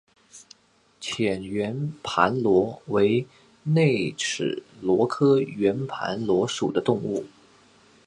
浅圆盘螺为内齿螺科圆盘螺属的动物。